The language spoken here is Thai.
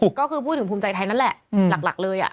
ก็คือพูดถึงภูมิใจไทยนั่นแหละหลักเลย